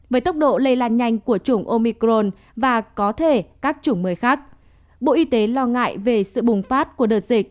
với tốc độ lây lan nhanh của chủng omicron và có thể các chủng mới khác bộ y tế lo ngại về sự bùng phát của đợt dịch